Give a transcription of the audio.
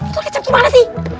lo kecap gimana sih